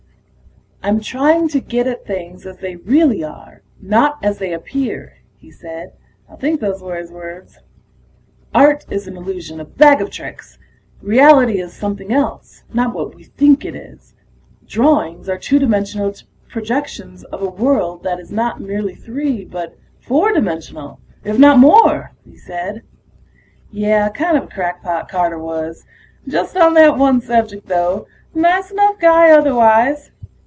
"I'm trying to get at things as they really are, not as they appear," he said. I think those were his words. "Art is an illusion, a bag of tricks. Reality is something else, not what we think it is. Drawings are two dimensional projections of a world that is not merely three but four dimensional, if not more," he said. Yeh, kind of a crackpot, Carter was. Just on that one subject, though; nice enough guy otherwise.